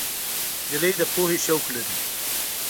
نجلۍ د پوهې شوق لري.